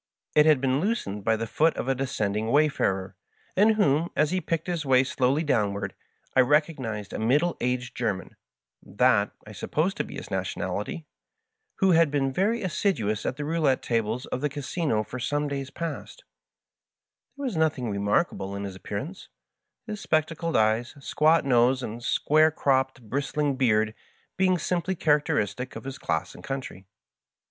It had been loosened by the foot of a descending wayfarer, in whom, as he picked his way slowly downward, I recognized a middle aged German (that I supposed to be his nationality) who had been very assiduous at the roulette tables of the Digitized by VjOOQIC 134 ^Y FASCINATUStQ FRIEND. Casmo for some days past Tliere was nothisg remark able in his appearance, his spectacled eyes, squat nose, and square cropped bristling beard being simply charac teristic of his class and country.